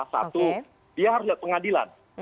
satu dia harus lihat pengadilan